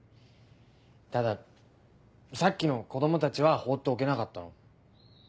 たださっきの子供たちは放っておけなかった。